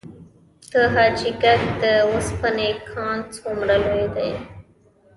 د حاجي ګک د وسپنې کان څومره لوی دی؟